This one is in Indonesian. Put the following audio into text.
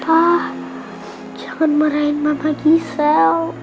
ah jangan marahin mama gisel